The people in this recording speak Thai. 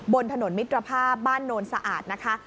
บนถนนมิตรภาพบ้านโนนสะอาดนะคะ